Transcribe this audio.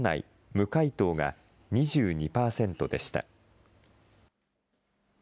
・無回答が２２％でした。